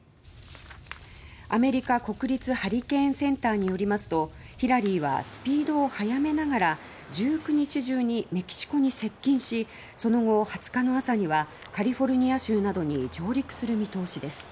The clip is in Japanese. アメリカ国立ハリケーンセンターによりますと「ヒラリー」はスピードを速めながら１９日中にメキシコに接近しその後２０日の朝にはカリフォルニア州などに上陸する見通しです。